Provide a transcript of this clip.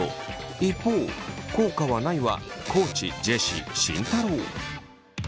一方「効果はない」は地ジェシー慎太郎。